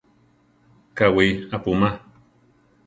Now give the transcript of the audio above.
Káwi apúma.